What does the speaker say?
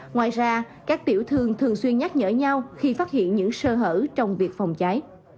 ngoài ra các tiểu thương thường xuyên nhắc nhở nhau khi phát hiện những sơ hở trong việc phòng cháy